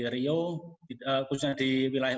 riau khususnya di wilayah